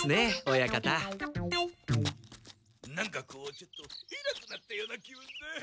なんかこうちょっとえらくなったような気分だハッハハ。